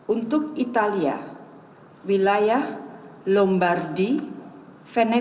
untuk italia wilayah lombardi venez